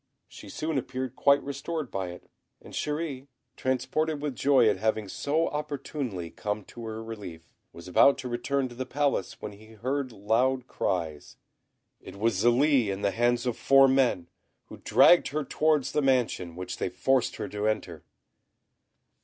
She soon appeared quite restored by it; and Chéri, transported with joy at having so opportunely come to her relief, was about to return to the Palace when he heard loud cries. It was Zélie in the hands of four men, who dragged her towards the mansion, which they forced her to enter.